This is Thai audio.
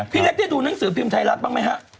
เล็กได้ดูหนังสือพิมพ์ไทยรัฐบ้างไหมฮะ